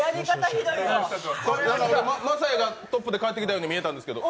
晶哉がトップで帰ってきたように見えたんですけど。